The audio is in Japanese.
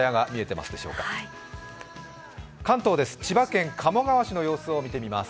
千葉県鴨川市の様子を見ていきます。